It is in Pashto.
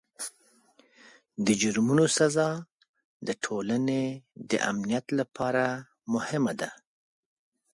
د جرمونو سزا د ټولنې د امنیت لپاره مهمه ده.